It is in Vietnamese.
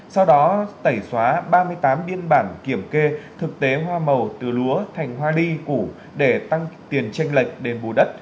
sau đó tẩy xóa ba mươi tám biên bản kiểm kê thực tế hoa màu từ lúa thành hoa ly củ để tăng tiền tranh lệch đền bù đất